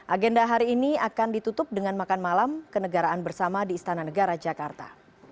agenda hari ini akan ditutup dengan makan malam kenegaraan bersama di istana negara jakarta